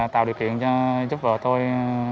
tạo điều kiện giúp vợ tôi